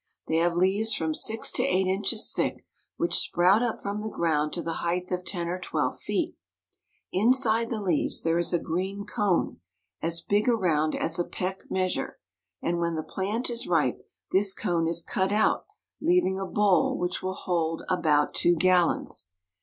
They have leaves from six to eight inches thick, which sprout up from the ground to the height of ten or twelve feet. Inside the leaves there is a green cone as big around as a peck measure; and when the plant is ripe, this cone is cut out, leaving a bowl which will hold about two gallons.